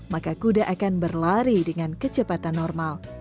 maka kuda akan berlari dengan kecepatan normal